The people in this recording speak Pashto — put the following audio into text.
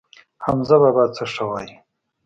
حمزه بابا څه ښه وايي.